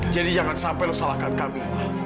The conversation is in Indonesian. jadi jangan sampai lo salahkan camilla